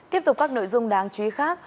tiếp tục các nội dung đáng chú ý khác